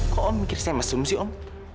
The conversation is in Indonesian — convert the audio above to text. kok om mikir saya masum sih om